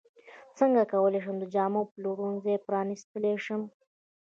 څنګه کولی شم د جامو پلورنځی پرانستلی شم